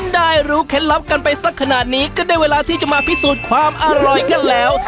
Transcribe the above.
ได้รู้เคล็ดลับกันไปสักขนาดนี้ก็ได้เวลาที่จะมาพิสูจน์ความอร่อยกันแล้ว